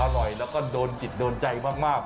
อร่อยแล้วก็โดนจิตโดนใจมาก